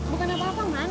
bukan apa apa man